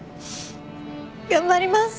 頑張ります。